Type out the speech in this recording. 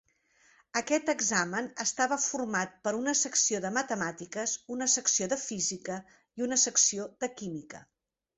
Aquest examen estava format per una secció de matemàtiques, una secció de física i una secció de química.